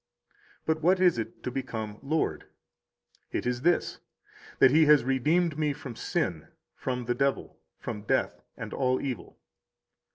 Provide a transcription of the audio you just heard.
But what is it to become Lord? It is this, that He has redeemed me from sin, from the devil, from death, and all evil.